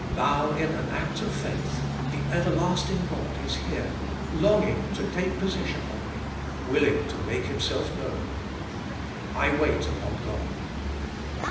Bow in an act of faith; the Everlasting God is here, longing to take possession of me, willing to make Himself known. I wait upon God.